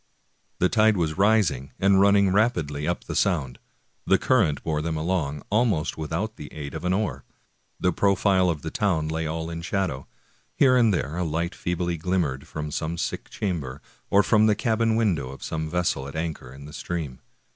The tide was rising and running rapidly up the Sound. The current bore them along, almost without the aid of an oar. The profile of the town lay all in shadow. Here and there a light feebly glimmered from some sick chamber, or from the cabin window of some vessel at anchor in the stream.